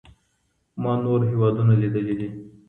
ما نور هیوادونه لیدلي دي.